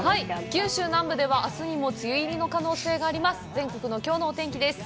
九州南部ではあすにも梅雨入りの可能性があります。